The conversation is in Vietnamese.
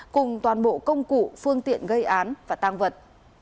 cùng toàn bộ công cụ phương tiện gây án và tăng vật